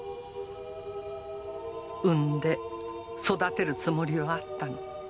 産んで育てるつもりはあったの。